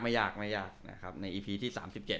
ไม่ยากนะครับในอีพีที่๓๗